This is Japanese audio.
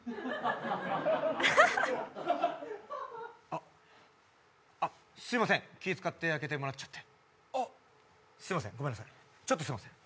あっあっすいません気使って開けてもらっちゃってあっすいませんごめんなさいちょっとすいません